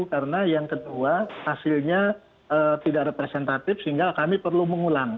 karena yang kedua hasilnya tidak representatif sehingga kami perlu mengulang